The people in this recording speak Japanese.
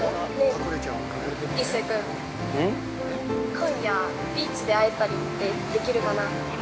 ◆今夜、ビーチで会えたりってできるかな。